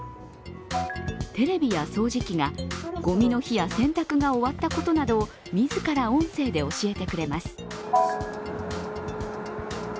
テレビや掃除機が、ごみの日や洗濯が終わったことなどを自ら音声で教えてくれます。